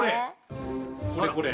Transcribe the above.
これこれ。